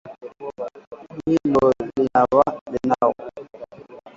Hilo linawaweka karibu na mashambulizi ya karibuni ya anga ya Russia